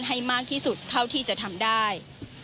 ให้มากที่สุดเท่าที่จะทำได้